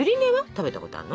食べたことあるの？